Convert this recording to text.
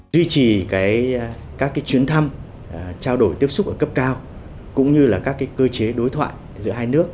duy trì các chuyến thăm trao đổi tiếp xúc ở cấp cao cũng như các cơ chế đối thoại